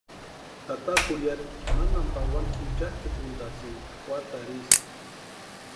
Tata jurhiata mantani pawani inchatsʼïkuntʼasïnti juatarhu isï.